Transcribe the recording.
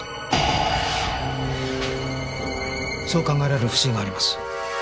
そう考えられる節があります。